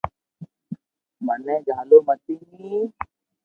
مني جھالو متي ني